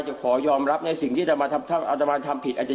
จะขอยอมรับในสิ่งที่อาตามาทำอาตามาทำผิดอาจจะ